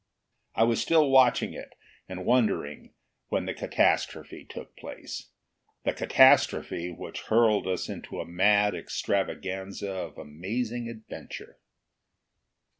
I was still watching it, and wondering, when the catastrophe took place the catastrophe which hurled us into a mad extravaganza of amazing adventure.